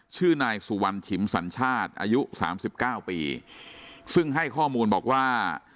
ชื่อนายสุวรรณฉิมสัญชาติอายุสามสิบเก้าปีซึ่งให้ข้อมูลบอกว่า